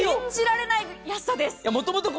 信じられない安さです。